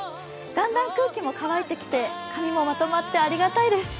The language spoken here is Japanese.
だんだん空気も乾いてきて、髪もまとまってありがたいです。